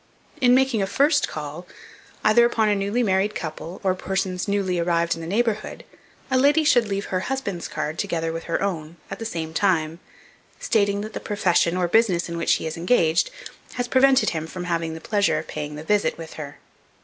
In making a first call, either upon a newly married couple, or persons newly arrived in the neighbourhood, a lady should leave her husband's card together with her own, at the same time, stating that the profession or business in which he is engaged has prevented him from having the pleasure of paying the visit, with her.